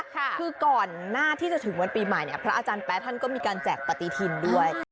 คือก่อนหน้าที่จะถึงวันปีใหม่เนี่ยพระอาจารย์แป๊ะท่านก็มีการแจกปฏิทินด้วย